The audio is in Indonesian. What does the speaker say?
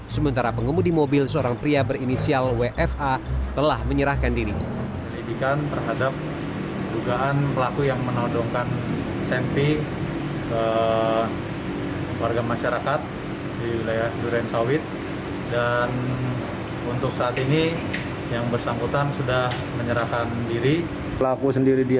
sementara pengemudi mobil seorang pria berinisial wfa telah menyerahkan diri